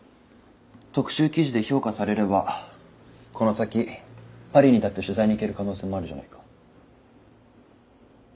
特集記事で評価されればこの先パリにだって取材に行ける可能性もあるじゃないか。